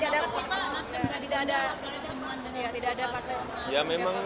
karena tidak ada tidak ada tidak ada partai